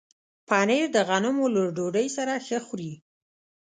پنېر د غنمو له ډوډۍ سره ښه خوري.